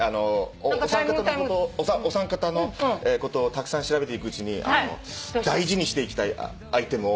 お三方のことお三方のことをたくさん調べていくうちに大事にしていきたいアイテムを３つ集めまして。